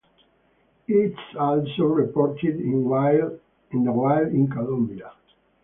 It is also reported in the wild in Colombia.